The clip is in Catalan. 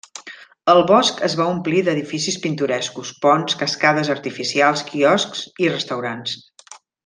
El bosc es va omplir d'edificis pintorescos: ponts, cascades artificials, quioscs i restaurants.